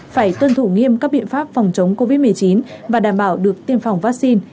phải tuân thủ nghiêm các biện pháp phòng chống covid một mươi chín và đảm bảo được tiêm phòng vaccine